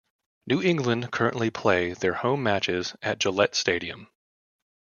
New England currently play their home matches at Gillette Stadium.